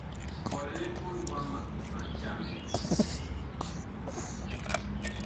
Ɔ lɛ mɔɔn wama ma ntamɛ.